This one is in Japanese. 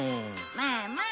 まあまあ。